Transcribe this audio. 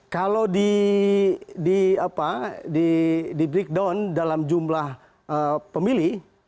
kalau di breakdown dalam jumlah pemilih